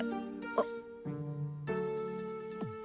あっ。